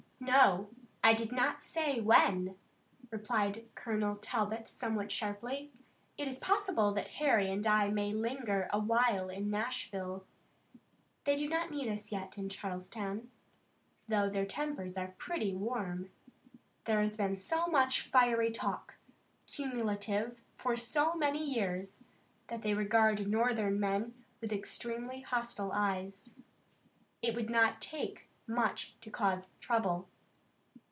"No, I did not say when," replied Colonel Talbot, somewhat sharply. "It is possible that Harry and I may linger a while in Nashville. They do not need us yet in Charleston, although their tempers are pretty warm. There has been so much fiery talk, cumulative for so many years, that they regard northern men with extremely hostile eyes. It would not take much to cause trouble."